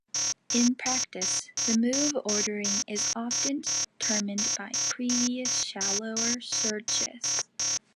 In practice, the move ordering is often determined by previous shallower searches.